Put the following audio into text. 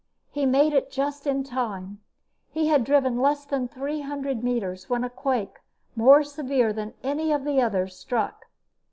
He made it just in time. He had driven less than three hundred meters when a quake more severe than any of the others struck.